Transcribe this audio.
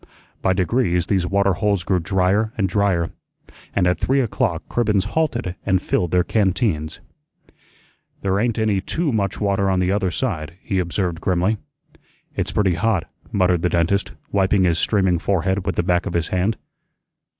By degrees these water holes grew dryer and dryer, and at three o'clock Cribbens halted and filled their canteens. "There ain't any TOO much water on the other side," he observed grimly. "It's pretty hot," muttered the dentist, wiping his streaming forehead with the back of his hand.